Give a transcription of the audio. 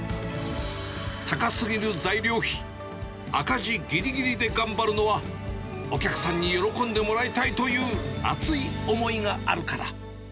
高すぎる材料費、赤字ぎりぎりで頑張るのは、お客さんに喜んでもらいたいという熱い思いがあるから。